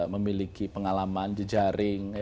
memiliki pengalaman jejaring